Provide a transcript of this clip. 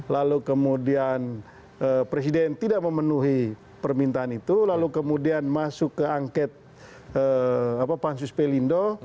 lalu kemudian presiden tidak memenuhi permintaan itu lalu kemudian masuk ke angket pansus pelindo